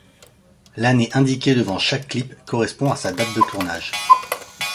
L'année indiquée devant chaque clip correspond à sa date de tournage.